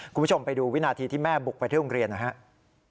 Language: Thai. คุณผู้ชมไปดูวินาทีที่แม่บุกไปที่โรงเรียนหน่อยครับ